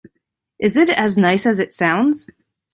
Is it as nice as it sounds?